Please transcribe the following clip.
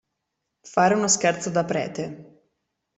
Fare uno scherzo da prete.